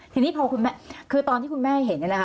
ทีนี้พอคุณแม่คือตอนที่คุณแม่เห็น